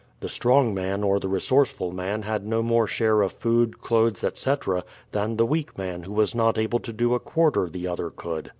The strong man or the resourceful man had no more share of food, clothes, etc., than the weak man who was not able to do a quarter the other could.